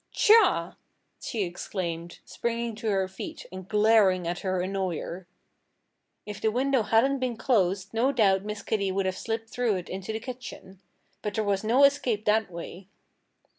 "Tchah!" she exclaimed, springing to her feet and glaring at her annoyer. If the window hadn't been closed no doubt Miss Kitty would have slipped through it into the kitchen. But there was no escape that way.